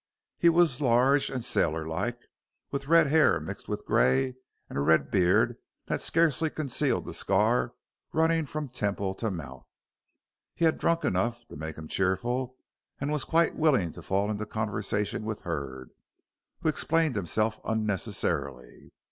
He was large and sailor like, with red hair mixed with grey and a red beard that scarcely concealed the scar running from temple to mouth. He had drunk enough to make him cheerful and was quite willing to fall into conversation with Hurd, who explained himself unnecessarily.